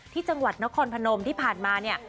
ที่จังหวัดนครพนมที่ผ่านมาเนี่ย